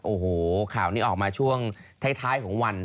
โอ้โหข่าวนี้ออกมาช่วงท้ายของวัน